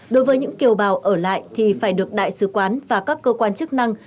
đối với những kiều bào ở lại thì phải được đại sứ quán và các cơ quan chức năng